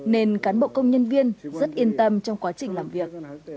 nên cán bộ công nhân viên rất yên tâm trong quá trình làm việc